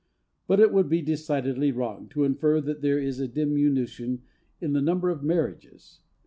But it would be decidedly wrong to infer that there is a diminution in the number of marriages.